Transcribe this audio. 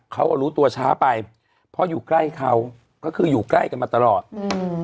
เขาอ่ะรู้ตัวช้าไปเพราะอยู่ใกล้เขาก็คืออยู่ใกล้กันมาตลอดอืม